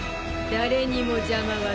誰にも邪魔はさせない。